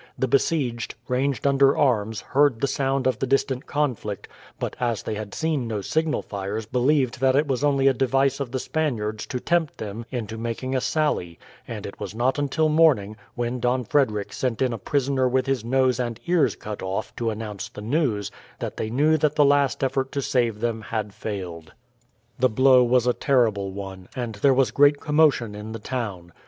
The besieged, ranged under arms, heard the sound of the distant conflict, but as they had seen no signal fires believed that it was only a device of the Spaniards to tempt them into making a sally, and it was not until morning, when Don Frederick sent in a prisoner with his nose and ears cut off to announce the news, that they knew that the last effort to save them had failed. The blow was a terrible one, and there was great commotion in the town.